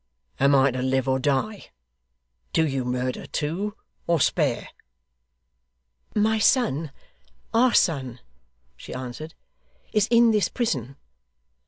'Am I to live or die? Do you murder too, or spare?' 'My son our son,' she answered, 'is in this prison.